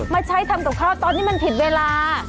มาใช้ดูต้องเข้าตอนนี้มันผิดเวลา